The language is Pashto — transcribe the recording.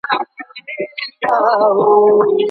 ولي ملي سوداګر کیمیاوي سره له پاکستان څخه واردوي؟